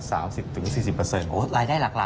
รายได้หลักเลยอยู่ที่๓๐ในที่โน้นนะ